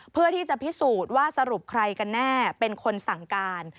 เพื่อที่จะพิสูจน์ว่าสรุปใครกันแน่เป็นคนสั่งการ